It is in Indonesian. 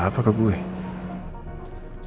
saya mau bicara dengan anda